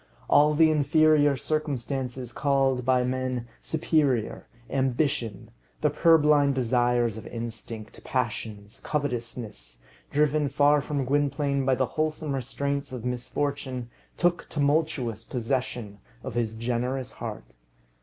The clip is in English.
All the inferior circumstances called by men superior, ambition, the purblind desires of instinct, passions, covetousness, driven far from Gwynplaine by the wholesome restraints of misfortune, took tumultuous possession of his generous heart.